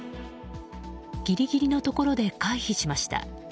ギリギリのところで回避しました。